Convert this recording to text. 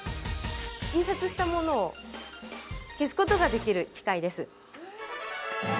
印刷したものを消すことができる機械です。